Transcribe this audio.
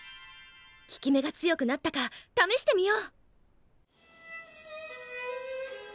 効き目が強くなったかためしてみよう。